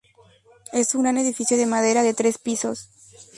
Es un gran edificio de madera de tres pisos.